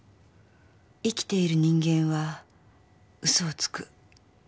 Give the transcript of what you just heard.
生きている人間は嘘をつく。